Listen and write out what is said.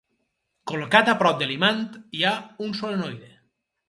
Col·locat a prop de l'imant hi ha un solenoide.